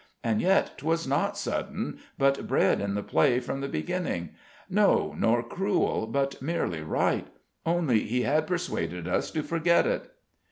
And yet 'twas not sudden, but bred in the play from the beginning; no, nor cruel, but merely right: only he had persuaded us to forget it."